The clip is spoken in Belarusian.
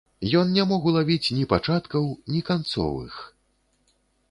Ён не мог улавіць ні пачаткаў, ні канцоў іх.